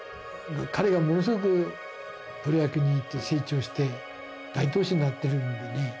彼がものすごくプロ野球に行って成長して大投手になってるんでね。